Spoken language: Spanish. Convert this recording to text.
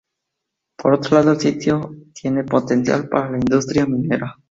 Por otro lado, el sitio tiene potencial para la industria minera